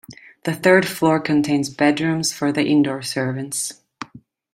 The third floor contains bedrooms for the indoor servants.